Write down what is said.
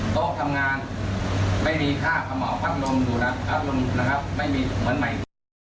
โต๊ะทำงานไม่มีค่าเขม่าวพัดลมอยู่แล้วพัดลมนะครับไม่มีเหมือนใหม่